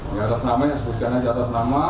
yang disebutkan saja